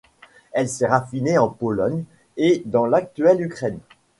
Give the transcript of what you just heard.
Elle s'est ramifiée en Pologne et dans l'actuelle Ukraine.